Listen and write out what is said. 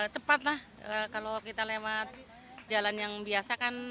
cepat lah kalau kita lewat jalan yang biasa kan